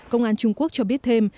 công an trung quốc cho biết thêm